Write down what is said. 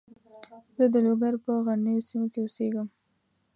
زه د لوګر په غرنیو سیمو کې اوسېږم.